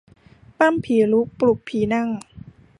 ปล้ำผีลุกปลุกผีนั่ง